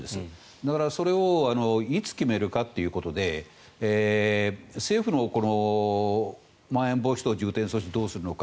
だからいつ決めるかということで政府のまん延防止措置はどうするのか。